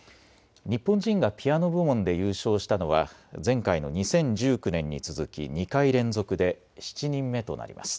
日本人がピアノ部門で優勝したのは前回の２０１９年に続き２回連続で７人目となります。